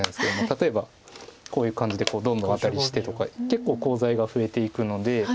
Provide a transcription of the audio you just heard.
例えばこういう感じでどんどんアタリしてとか結構コウ材が増えていくので。